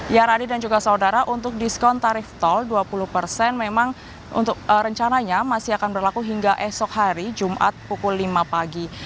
ya radi dan juga saudara untuk diskon tarif tol dua puluh persen memang untuk rencananya masih akan berlaku hingga esok hari jumat pukul lima pagi